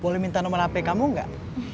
boleh minta nomer hp kamu gak